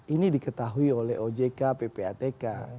ini diketahui oleh ojk ppatk